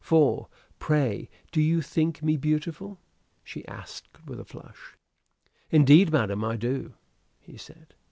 For.... Pray, do you think me beautiful?" she asked, with a flush. "Indeed, madam, I do," he said.